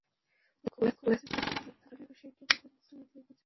মালিকপক্ষ বলেছে, বেতন নির্ধারণের বিষয়টি বাজার অর্থনীতির ওপর ছেড়ে দেওয়া উচিত।